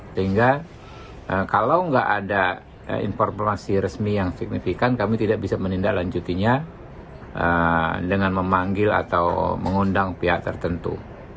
sehingga kalau nggak ada informasi resmi yang signifikan kami tidak bisa menindaklanjutinya dengan memanggil atau mengundang pihak tertentu